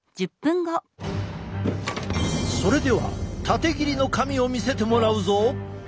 それでは縦切りの髪を見せてもらうぞ！